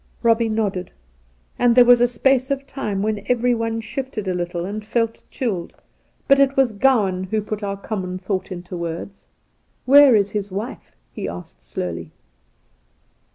Eobbie nodded, and there was a space of time when everyone shifted a little and felt chilled; but Soltke 7? it was Gowan who put our common thought into, words. ' Where is his wife 1' he asked slowly.